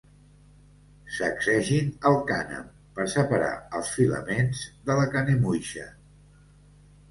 Sacsegin el cànem per separar els filaments de la canemuixa.